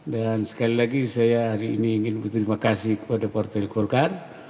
dan sekali lagi saya hari ini ingin berterima kasih kepada partai gorkar